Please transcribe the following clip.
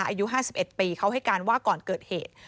อายุ๕๑ปีเขาให้การว่าก่อนเกิดเหตุ